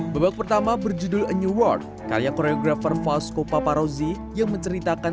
babak pertama berjudul a new world karya koreografer fausco paparozi yang menceritakan